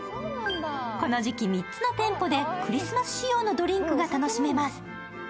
この時期３つの店舗でクリスマス仕様のドリンクが楽しめます。